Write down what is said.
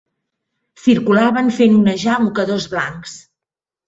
Circulaven fent onejar mocadors blancs